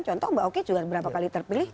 contoh mbak oki juga berapa kali terpilih